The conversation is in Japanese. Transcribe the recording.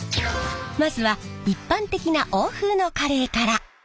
まずは一般的な欧風のカレーから。